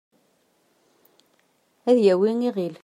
ad yawi iɣil